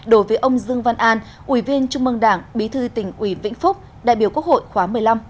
đối với ông dương văn an ủy viên trung mương đảng bí thư tỉnh ủy vĩnh phúc đại biểu quốc hội khóa một mươi năm